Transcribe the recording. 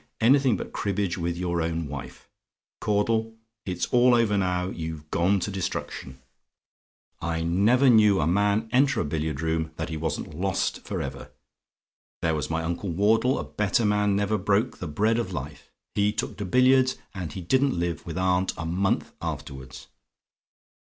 anything but cribbage with your own wife! "Caudle, it's all over now; you've gone to destruction. I never knew a man enter a billiard room that he wasn't lost for ever. There was my uncle Wardle; a better man never broke the bread of life: he took to billiards, and he didn't live with aunt a month afterwards.